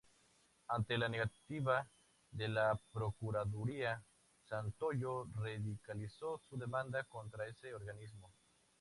Ante la negativa de la procuraduría, Santoyo radicalizó su demanda contra ese organismo.